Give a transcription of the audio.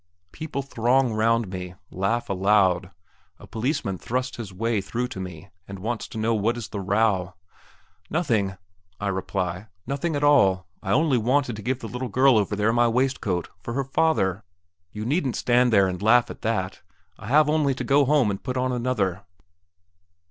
People throng round me, laugh aloud; a policeman thrusts his way through to me, and wants to know what is the row. "Nothing!" I reply, "nothing at all; I only wanted to give the little girl over there my waistcoat ... for her father ... you needn't stand there and laugh at that ... I have only to go home and put on another."